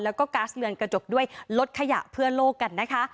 แล้วก็ก๊าซเรือนกระจกด้วยลดขยะเพื่อโลกกันนะคะ